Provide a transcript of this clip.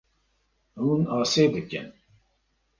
Hûn asê dikin.